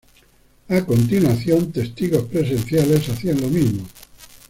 A continuación testigos presenciales hacían lo mismo.